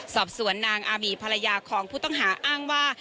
สอบสวนนางอาบีภรรยาของผู้ต้องหาอ้างว่า